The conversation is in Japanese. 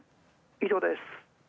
以上です。